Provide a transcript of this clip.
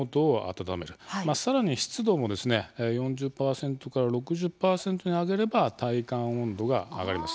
まあ更に湿度もですね４０％から６０％に上げれば体感温度が上がります。